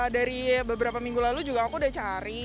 dari beberapa minggu lalu juga aku udah cari